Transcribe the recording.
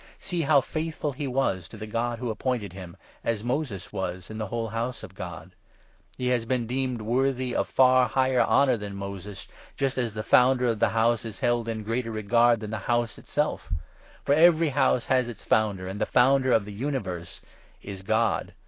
See how faithful he was 2 to the God who appointed him, as Moses was in the whole House of God. He has been deemed worthy of far higher 3 honour than Moses, just as the founder of the House is held in greater regard than the House itself. For every 4 House has its founder, and the founder of the universe is God.